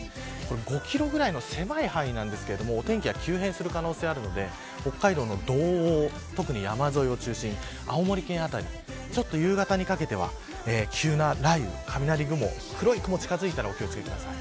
５キロぐらいの狭い範囲ですがお天気が急変する可能性があるので北海道の道央山沿いを中心に青森県辺り夕方にかけては急な雷雨、雷雲黒い雲が近づいたらお気を付けください。